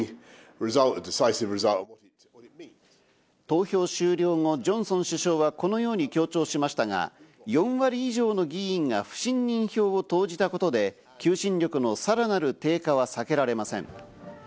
投票終了後、ジョンソン首相はこのように強調しましたが、４割以上の議員が不信任票を投じたことで求心力のさらなる低下は避けられません。